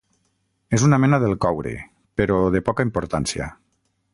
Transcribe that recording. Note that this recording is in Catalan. És una mena del coure, però de poca importància.